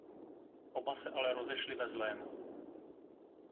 Oba se ale rozešli ve zlém.